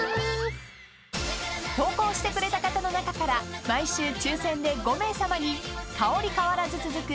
［投稿してくれた方の中から毎週抽選で５名さまに香り変わらず続く